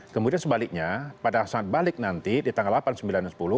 kemudian sebaliknya pada saat balik nanti di tanggal delapan sembilan dan sepuluh